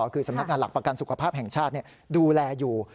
คือสำนักงานหลักประกันสุขภาพแห่งชาติดูแลอยู่